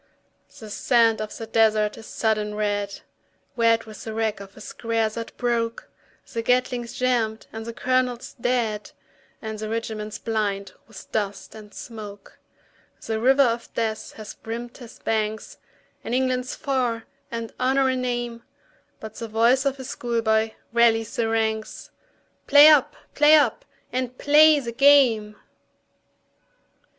The sand of the desert is sodden red, Red with the wreck of a square that broke; The Gatling's jammed and the colonel dead, And the regiment blind with dust and smoke. The river of death has brimmed his banks, And England's far, and Honour a name, But the voice of schoolboy rallies the ranks, "Play up! play up! and play the game!"